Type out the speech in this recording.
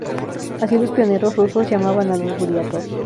Así los pioneros rusos llamaban a los buriatos.